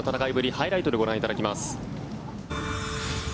ハイライトでご覧いただきます。